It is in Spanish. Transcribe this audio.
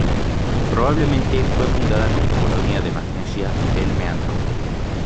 Probablemente fue fundada como colonia de Magnesia del Meandro.